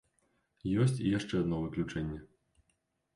Ёсць і яшчэ адно выключэнне.